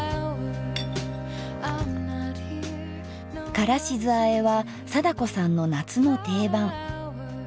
「からし酢あえ」は貞子さんの夏の定番。